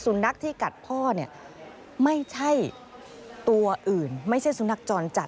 สุนัขที่กัดพ่อเนี่ยไม่ใช่ตัวอื่นไม่ใช่สุนัขจรจัด